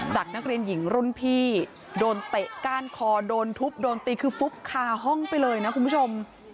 นักเรียนหญิงรุ่นพี่โดนเตะก้านคอโดนทุบโดนตีคือฟุบคาห้องไปเลยนะคุณผู้ชม